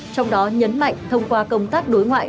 trong đó nhấn mạnh thông qua công tác đối ngoại